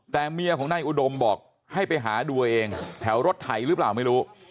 แต่เมียของนายอุดมบอกให้ไปหาดูเองแถวรถไถหรือเปล่าไม่รู้